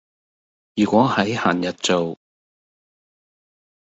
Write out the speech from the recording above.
如果喺閒日做